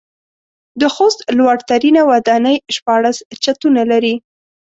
د خوست لوړ ترينه وداني شپاړس چتونه لري.